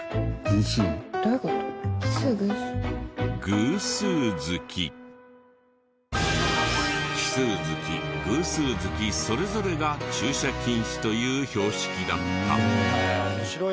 「偶数月」奇数月偶数月それぞれが駐車禁止という標識だった。